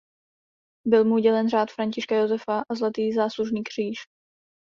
Byl mu udělen Řád Františka Josefa a Zlatý záslužný kříž.